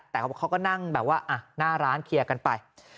แต่เขาก็นั่งแบบว่าหน้าร้านเคลียร์กันไป